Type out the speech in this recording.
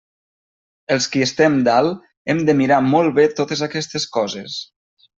Els qui estem dalt hem de mirar molt bé totes aquestes coses.